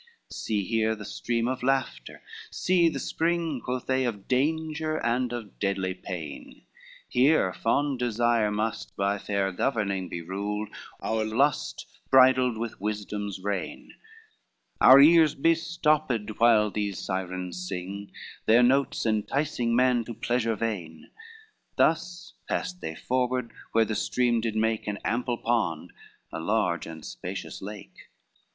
LVII "See here the stream of laughter, see the spring," Quoth they, "of danger and of deadly pain, Here fond desire must by fair governing Be ruled, our lust bridled with wisdom's rein, Our ears be stopped while these Sirens sing, Their notes enticing man to pleasure vain." Thus passed they forward where the stream did make An ample pond, a large and spacious lake.